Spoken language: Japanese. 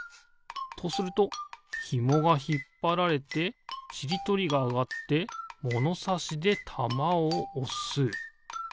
とするとひもがひっぱられてちりとりがあがってものさしでたまをおす。